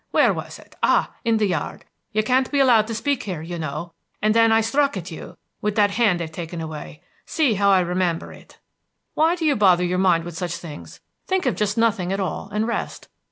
Where was it? Ah, in the yard! 'You can't be allowed to speak here, you know.' And then I struck at you, with that hand they've taken away! See how I remember it!" "Why do you bother your mind with such things? Think of just nothing at all, and rest.